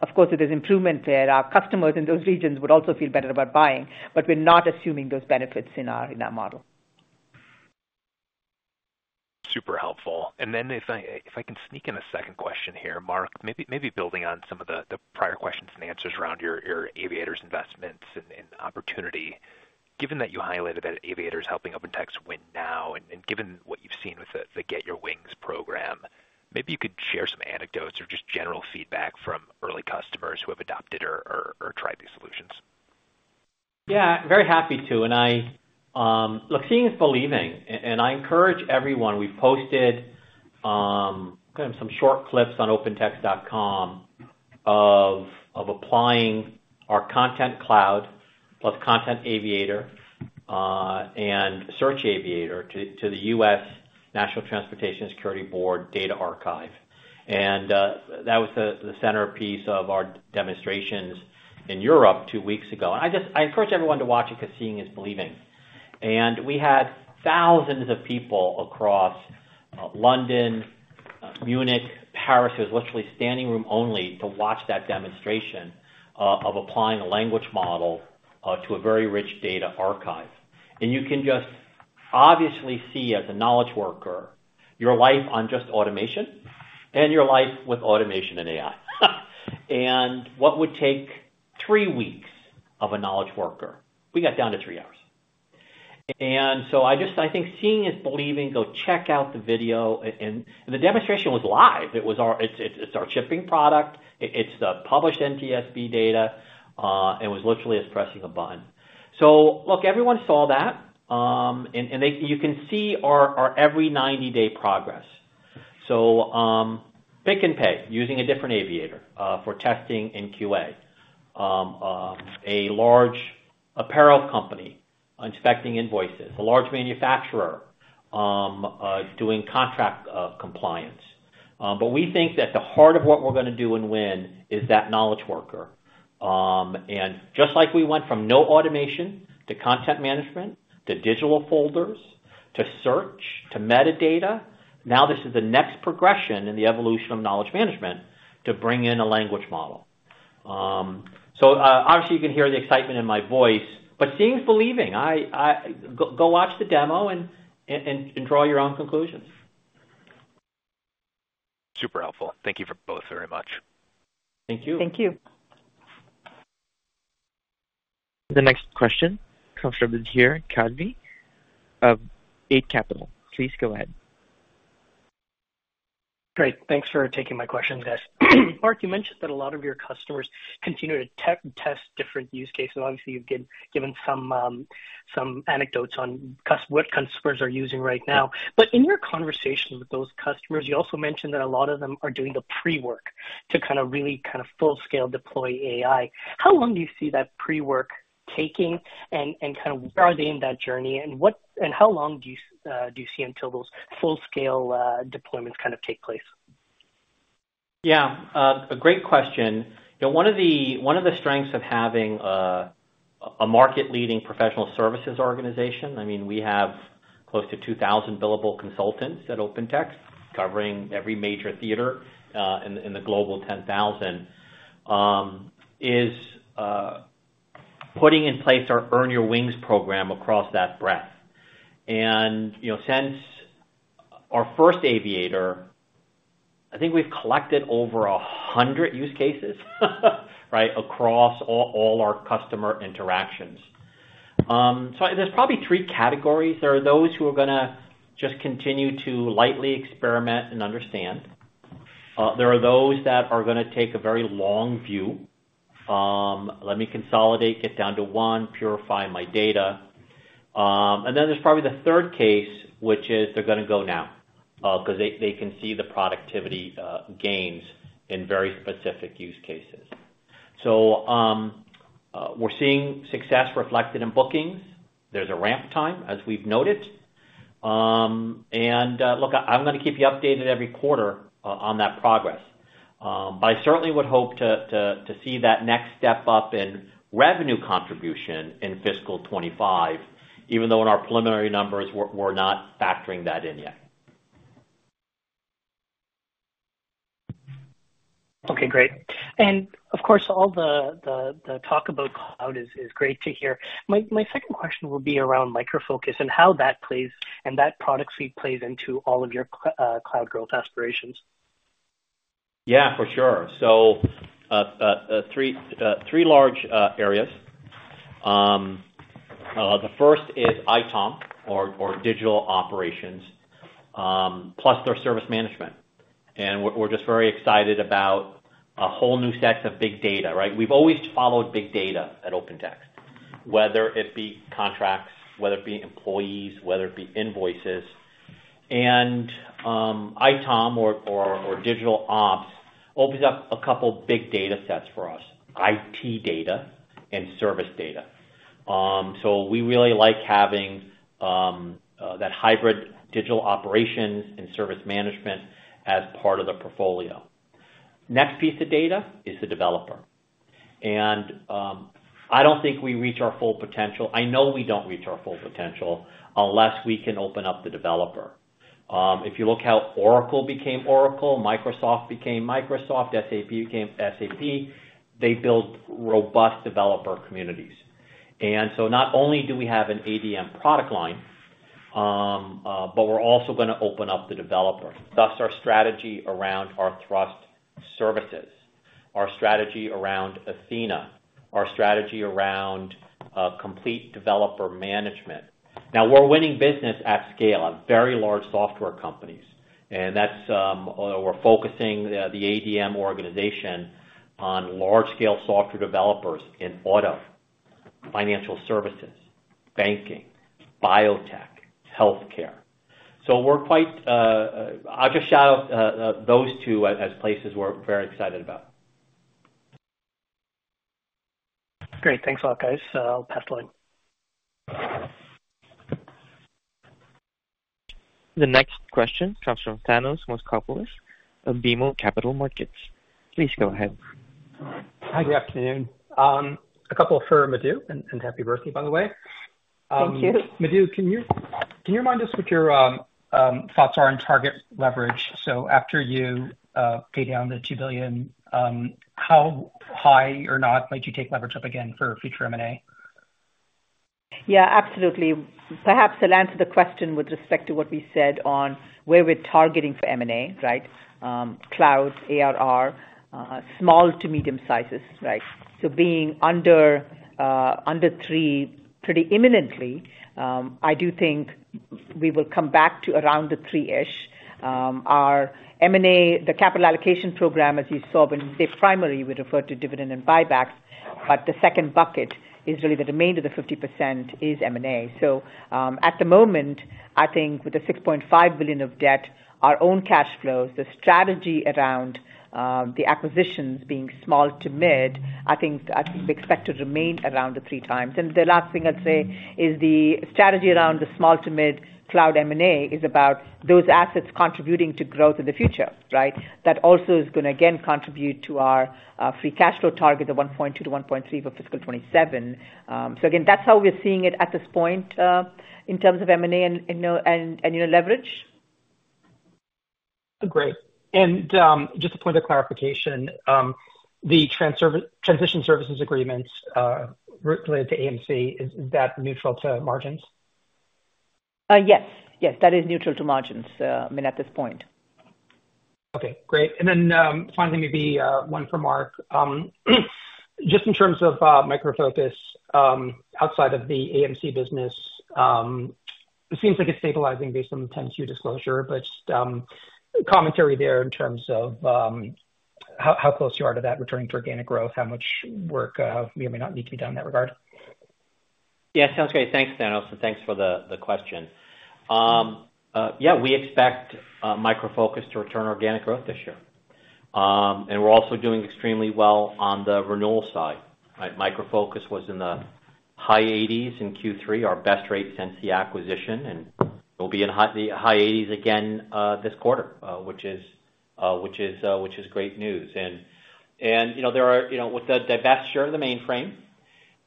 Of course, if there's improvement there, our customers in those regions would also feel better about buying, but we're not assuming those benefits in our model. Super helpful. Then if I can sneak in a second question here, Mark, maybe building on some of the prior questions and answers around your Aviators investments and opportunity, given that you highlighted that Aviators is helping OpenText win now and given what you've seen with the Get Your Wings program, maybe you could share some anecdotes or just general feedback from early customers who have adopted or tried these solutions? Yeah, very happy to. And look, seeing is believing. And I encourage everyone. We've posted some short clips on opentext.com of applying our Content Cloud plus Content Aviator and Search Aviator to the US National Transportation Safety Board Data Archive. And that was the centerpiece of our demonstrations in Europe two weeks ago. And I encourage everyone to watch it because seeing is believing. And we had thousands of people across London, Munich, Paris. It was literally standing room only to watch that demonstration of applying a language model to a very rich data archive. And you can just obviously see as a knowledge worker your life on just automation and your life with automation and AI. And what would take three weeks of a knowledge worker? We got down to three hours. And so I think seeing is believing. Go check out the video. And the demonstration was live. It's our shipping product. It's published NTSB data. It was literally as pressing a button. So look, everyone saw that. And you can see our every 90-day progress. So Pick n Pay using a different Aviator for testing and QA, a large apparel company inspecting invoices, a large manufacturer doing contract compliance. But we think that the heart of what we're going to do and win is that knowledge worker. Just like we went from no automation to content management to digital folders to search to metadata, now this is the next progression in the evolution of knowledge management to bring in a language model. Obviously, you can hear the excitement in my voice, but seeing is believing. Go watch the demo and draw your own conclusions. Super helpful. Thank you both very much. Thank you. Thank you. The next question comes from Adhir Kadve of Eight Capital. Please go ahead. Great. Thanks for taking my questions, guys. Mark, you mentioned that a lot of your customers continue to test different use cases. Obviously, you've given some anecdotes on what customers are using right now. In your conversation with those customers, you also mentioned that a lot of them are doing the pre-work to kind of really kind of full-scale deploy AI. How long do you see that pre-work taking? And kind of where are they in that journey? And how long do you see until those full-scale deployments kind of take place? Yeah, a great question. One of the strengths of having a market-leading professional services organization, I mean, we have close to 2,000 billable consultants at OpenText covering every major theater in the Global 10,000, is putting in place our Earn Your Wings program across that breadth. And since our first Aviator, I think we've collected over 100 use cases, right, across all our customer interactions. So there's probably three categories. There are those who are going to just continue to lightly experiment and understand. There are those that are going to take a very long view, "Let me consolidate, get down to one, purify my data." And then there's probably the third case, which is they're going to go now because they can see the productivity gains in very specific use cases. So we're seeing success reflected in bookings. There's a ramp time, as we've noted. And look, I'm going to keep you updated every quarter on that progress. But I certainly would hope to see that next step up in revenue contribution in fiscal 2025, even though in our preliminary numbers, we're not factoring that in yet. Okay, great. And of course, all the talk about cloud is great to hear. My second question will be around Micro Focus and how that plays and that product suite plays into all of your cloud growth aspirations. Yeah, for sure. So three large areas. The first is ITOM or Digital Operations plus their service management. And we're just very excited about a whole new set of big data, right? We've always followed big data at OpenText, whether it be contracts, whether it be employees, whether it be invoices. And ITOM or Digital Ops opens up a couple big data sets for us, IT data and service data. So we really like having that hybrid Digital Operations and service management as part of the portfolio. Next piece of data is the developer. And I don't think we reach our full potential. I know we don't reach our full potential unless we can open up the developer. If you look how Oracle became Oracle, Microsoft became Microsoft, SAP became SAP, they build robust developer communities. And so not only do we have an ADM product line, but we're also going to open up the developer. Thus our strategy around our Thrust services, our strategy around Athena, our strategy around complete developer management. Now, we're winning business at scale at very large software companies. And we're focusing the ADM organization on large-scale software developers in auto, financial services, banking, biotech, healthcare. So we're quite—I'll just shout out those two as places we're very excited about. Great. Thanks a lot, guys. I'll pass the line. The next question comes from Thanos Moschopoulos of BMO Capital Markets. Please go ahead. Hi. Good afternoon. A couple for Madhu and happy birthday, by the way. Thank you. Madhu, can you remind us what your thoughts are on target leverage? So after you pay down the $2 billion, how high or not might you take leverage up again for future M&A? Yeah, absolutely. Perhaps to answer the question with respect to what we said on where we're targeting for M&A, right, cloud, ARR, small to medium sizes, right? So being under 3 pretty imminently, I do think we will come back to around the three-ish. Our M&A, the capital allocation program, as you saw when they primarily referred to dividend and buybacks, but the second bucket is really the remainder of the 50% is M&A. So at the moment, I think with the $6.5 billion of debt, our own cash flows, the strategy around the acquisitions being small to mid, I think we expect to remain around the 3x. And the last thing I'll say is the strategy around the small to mid cloud M&A is about those assets contributing to growth in the future, right? That also is going to, again, contribute to our free cash flow target, the $1.2-$1.3 for fiscal 2027. So again, that's how we're seeing it at this point in terms of M&A and leverage. Great. And just a point of clarification, the transition services agreements related to AMC, is that neutral to margins? Yes. Yes, that is neutral to margins, I mean, at this point. Okay, great. And then finally, maybe one for Mark. Just in terms of Micro Focus outside of the AMC business, it seems like it's stabilizing based on the 10-Q disclosure. But just commentary there in terms of how close you are to that returning to organic growth, how much work we may not need to be done in that regard? Yeah, sounds great. Thanks, Thanos. And thanks for the question. Yeah, we expect Micro Focus to return organic growth this year. And we're also doing extremely well on the renewal side, right? Micro Focus was in the high 80s in Q3, our best rate since the acquisition. And we'll be in the high 80s again this quarter, which is great news. And there are with the divestiture of the mainframe,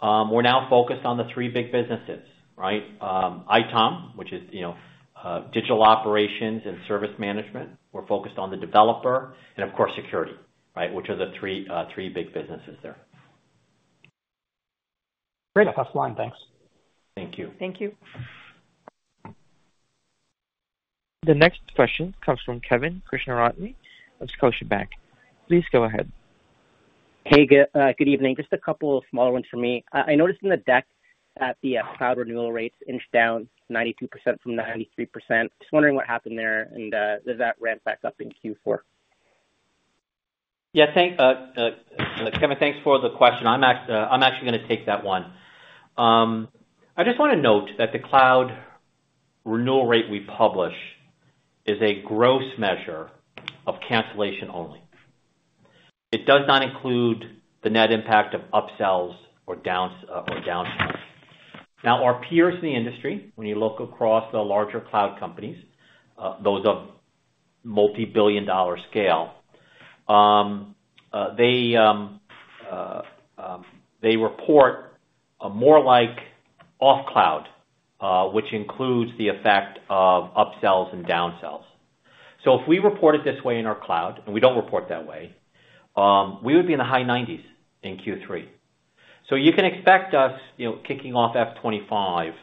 we're now focused on the three big businesses, right? ITOM, which is Digital Operations and service management. We're focused on the developer and, of course, security, right, which are the three big businesses there. Great. That's fine. Thanks. Thank you. Thank you. The next question comes from Kevin Krishnaratne of Scotiabank. Please go ahead. Hey, good evening. Just a couple of smaller ones from me. I noticed in the deck that the cloud renewal rates inched down 92% from 93%. Just wondering what happened there and does that ramp back up in Q4? Yeah, Kevin, thanks for the question. I'm actually going to take that one. I just want to note that the cloud renewal rate we publish is a gross measure of cancellation only. It does not include the net impact of upsells or downturn. Now, our peers in the industry, when you look across the larger cloud companies, those of multi-billion dollar scale, they report a more like off-cloud, which includes the effect of upsells and downsells. So if we report it this way in our cloud - and we don't report that way - we would be in the high 90s in Q3. So you can expect us kicking off F2025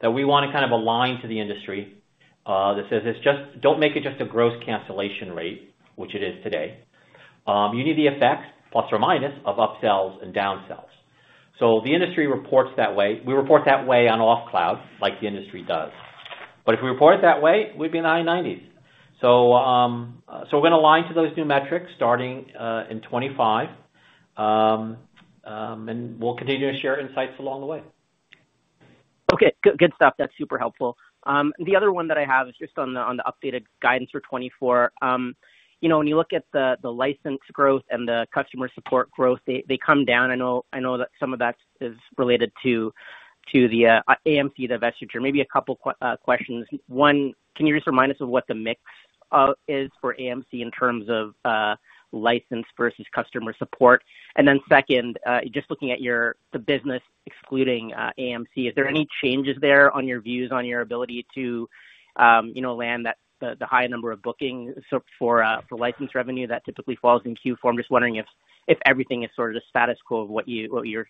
that we want to kind of align to the industry that says, "Don't make it just a gross cancellation rate," which it is today. You need the effects plus or minus of upsells and downsells. So the industry reports that way. We report that way on off-cloud like the industry does. But if we report it that way, we'd be in the high 90s. So we're going to align to those new metrics starting in 2025, and we'll continue to share insights along the way. Okay, good stuff. That's super helpful. The other one that I have is just on the updated guidance for 2024. When you look at the license growth and the customer support growth, they come down. I know that some of that is related to the AMC divestiture. Maybe a couple of questions. One, can you just remind us of what the mix is for AMC in terms of license versus customer support? Then second, just looking at the business excluding AMC, is there any changes there on your views on your ability to land the high number of bookings for license revenue that typically falls in Q4? I'm just wondering if everything is sort of the status quo of what you're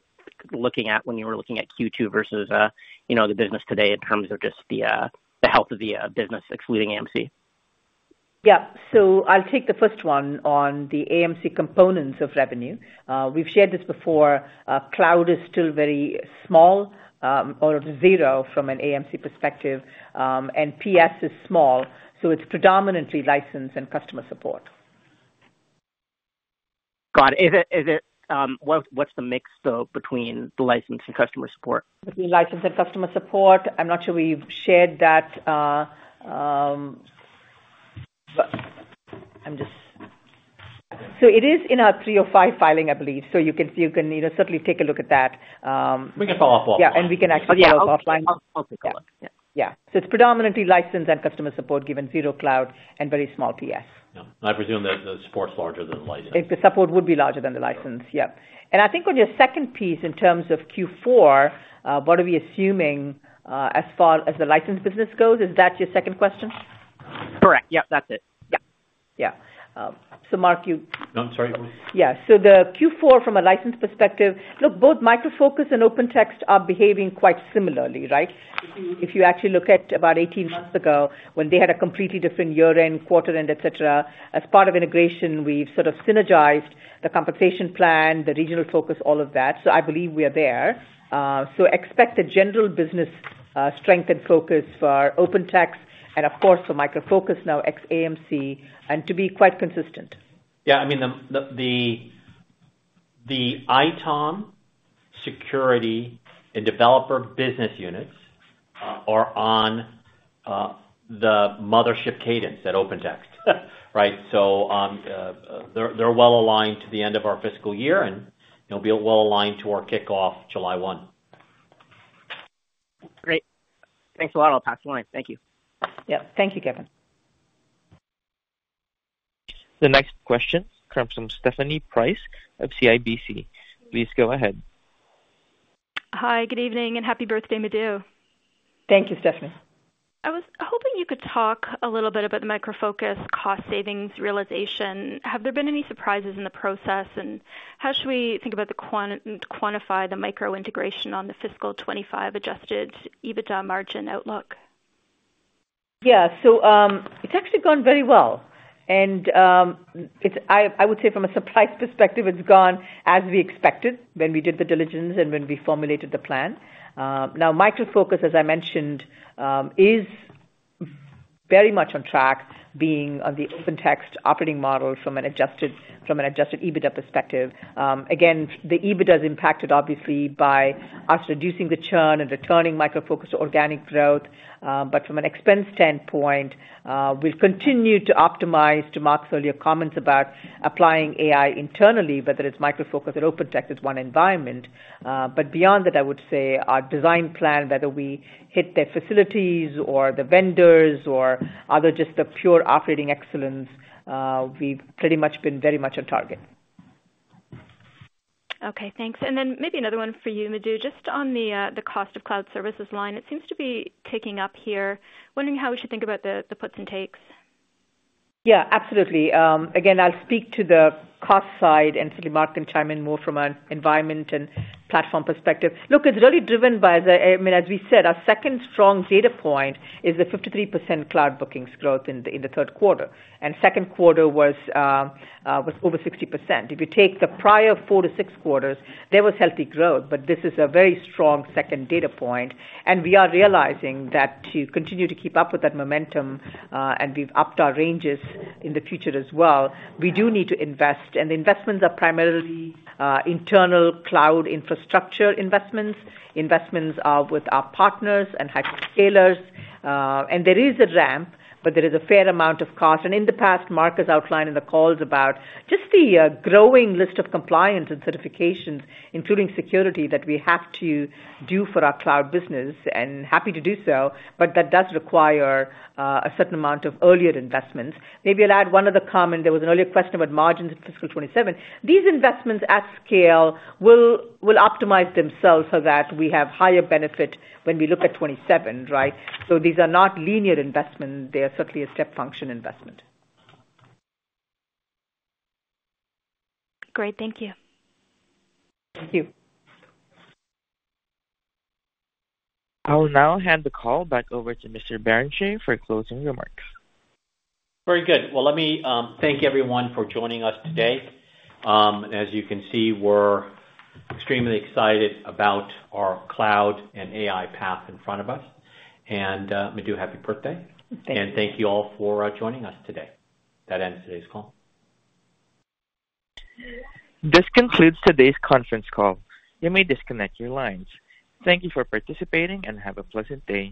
looking at when you were looking at Q2 versus the business today in terms of just the health of the business excluding AMC. Yeah. I'll take the first one on the AMC components of revenue. We've shared this before. Cloud is still very small or zero from an AMC perspective. PS is small. It's predominantly license and customer support. Got it. What's the mix though between the license and customer support? Between license and customer support, I'm not sure we've shared that. It is in our three or five filing, I believe. So you can certainly take a look at that. We can follow up offline. Yeah. And we can actually follow up offline. I'll take a look. Yeah. So it's predominantly license and customer support given zero cloud and very small PS. Yeah. And I presume that the support's larger than the license. The support would be larger than the license. Yep. And I think on your second piece in terms of Q4, what are we assuming as far as the license business goes? Is that your second question? Correct. Yep, that's it. Yeah. Yeah. So Mark, you. I'm sorry. Yeah. So the Q4 from a license perspective, look, both Micro Focus and OpenText are behaving quite similarly, right? If you actually look at about 18 months ago when they had a completely different year-end, quarter-end, et cetera, as part of integration, we've sort of synergized the compensation plan, the regional focus, all of that. So I believe we are there. So expect a general business strength and focus for OpenText and, of course, for Micro Focus now ex-AMC and to be quite consistent. Yeah. I mean, the ITOM security and developer business units are on the mothership cadence at OpenText, right? So they're well aligned to the end of our fiscal year and will be well aligned to our kickoff July 1. Great. Thanks a lot. I'll pass the line. Thank you. Yep. Thank you, Kevin. The next question comes from Stephanie Price of CIBC. Please go ahead. Hi. Good evening and happy birthday, Madhu. Thank you, Stephanie. I was hoping you could talk a little bit about the Micro Focus cost savings realization. Have there been any surprises in the process? And how should we think about quantifying the Micro Focus integration on the fiscal 2025 adjusted EBITDA margin outlook? Yeah. So it's actually gone very well. And I would say from a synergies perspective, it's gone as we expected when we did the diligence and when we formulated the plan. Now, Micro Focus, as I mentioned, is very much on track being on the OpenText operating model from an adjusted EBITDA perspective. Again, the EBITDA is impacted, obviously, by us reducing the churn and returning Micro Focus to organic growth. But from an expense standpoint, we'll continue to optimize to Mark's earlier comments about applying AI internally, whether it's Micro Focus or OpenText as one environment. But beyond that, I would say our design plan, whether we hit their facilities or the vendors or other just the pure operating excellence, we've pretty much been very much on target. Okay. Thanks. And then maybe another one for you, Madhu. Just on the cost of cloud services line, it seems to be ticking up here. Wondering how we should think about the puts and takes. Yeah, absolutely. Again, I'll speak to the cost side and certainly Mark can chime in more from an environment and platform perspective. Look, it's really driven by, I mean, as we said, our second strong data point is the 53% cloud bookings growth in the third quarter. And second quarter was over 60%. If you take the prior four to six quarters, there was healthy growth. But this is a very strong second data point. We are realizing that to continue to keep up with that momentum and we've upped our ranges in the future as well, we do need to invest. The investments are primarily internal cloud infrastructure investments, investments with our partners and hyperscalers. There is a ramp, but there is a fair amount of cost. In the past, Mark has outlined in the calls about just the growing list of compliance and certifications, including security, that we have to do for our cloud business, and happy to do so, but that does require a certain amount of earlier investments. Maybe I'll add one other comment. There was an earlier question about margins in fiscal 2027. These investments at scale will optimize themselves so that we have higher benefit when we look at 2027, right? These are not linear investments. They are certainly a step function investment. Great. Thank you. Thank you. I will now hand the call back over to Mr. Barrenechea for closing remarks. Very good. Well, let me thank everyone for joining us today. As you can see, we're extremely excited about our cloud and AI path in front of us. And Madhu, happy birthday. Thank you. And thank you all for joining us today. That ends today's call. This concludes today's conference call. You may disconnect your lines. Thank you for participating and have a pleasant day.